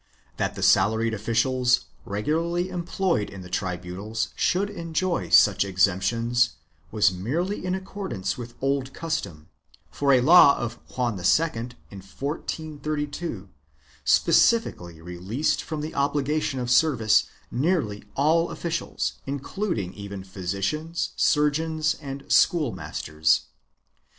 That the salaried officials, regularly employed in the tribunals, should enjoy such exemptions was merely in accordance with old custom, for a law of Juan II, in 1432, specifically released from the obli gation of service nearly all officials, including even physicians, surgeons and schoolmasters.